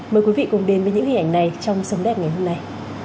mời quý vị cùng đến với những hình ảnh này trong sống đẹp ngày hôm nay